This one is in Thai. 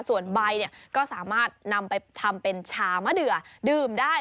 ส่วนใบเนี่ยก็สามารถนำไปทำเป็นชามะเดือดื่มได้